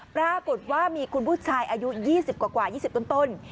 ปรากฏว่ามีคุณผู้ชายอายุ๒๐กว่า๒๐ต้น